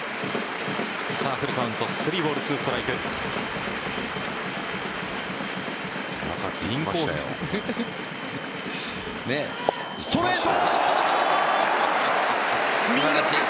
フルカウント３ボール２ストライク。